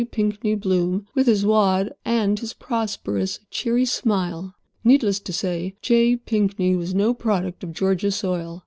Pinkney Bloom with his "wad" and his prosperous, cheery smile. Needless to say J. Pinkney was no product of Georgia soil.